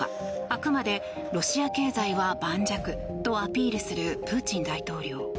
あくまでロシア経済は盤石とアピールするプーチン大統領。